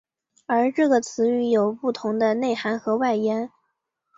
而这个词语有不同的内涵和外延。